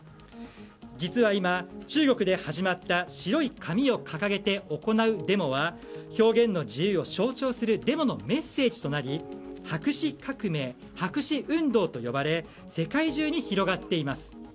実は今、中国で始まった白い紙を掲げて行うデモは表現の自由を象徴するデモのメッセージとなり白紙革命、白紙運動と呼ばれ世界中に広がっています。